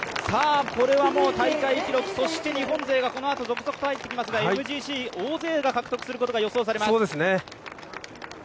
これはもう大会記録、そして日本勢が続々と入ってきますがＭＧＣ、大勢が獲得することが予想されます。